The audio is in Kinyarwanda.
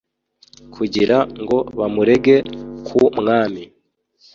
kugira ngo bamurege ku mwami